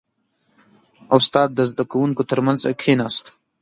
• استاد د زده کوونکو ترمنځ کښېناست.